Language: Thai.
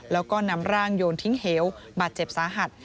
แล้วก็นำร่างโยนทิ้งเหวบาดเจ็บสาหัส